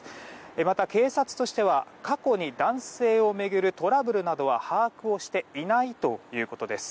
また、警察としては過去に男性を巡るトラブルなどは把握をしていないということです。